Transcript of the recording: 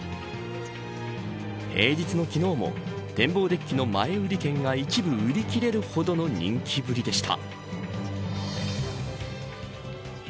平日の昨日も展望デッキの前売り券が一部、売り切れるほどの人気ぶりでした。